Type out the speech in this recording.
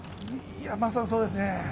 まさにそうですね。